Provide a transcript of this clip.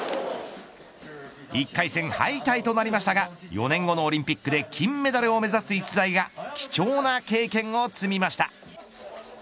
１回戦敗退となりましたが４年後のオリンピックで金メダルを目指す逸材が貴重な経験を積みました。